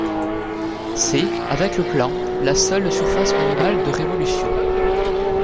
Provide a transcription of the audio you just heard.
C'est, avec le plan, la seule surface minimale de révolution.